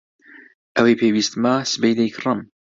ئەوەی پێویستمە سبەی دەیکڕم.